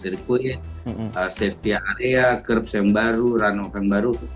memasuki permukaan sirkuit safety area kerbs yang baru runoff yang baru